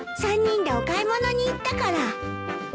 ３人でお買い物に行ったから。